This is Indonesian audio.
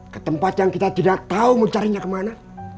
ke tempat yang kita tidak tahu mencarinya kemana